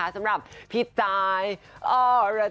สำหรับพี่จ่ายออร่าเทศ